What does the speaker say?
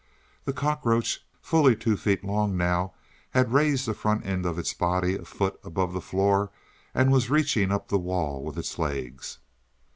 The cockroach, fully two feet long now, had raised the front end of its body a foot above the floor, and was reaching up the wall with its legs.